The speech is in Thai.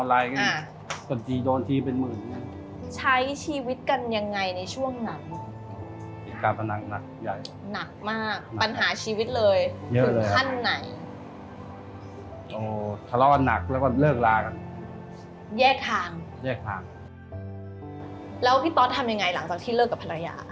แล้วพี่ตอสทำยังไงหลังจากที่เลิกกับภรรยา